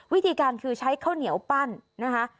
วิธีการคือใช้ข้าวเหนียวปั้นนะคะ